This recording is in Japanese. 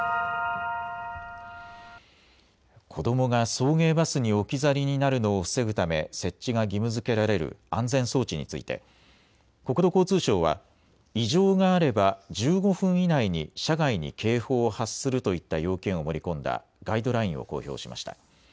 子どもが送迎バスに置き去りになるのを防ぐため設置が義務づけられる安全装置について国土交通省は異常があれば１５分以内に車外に警報を発するといった要件を盛り込んだガイドラインを公表しました。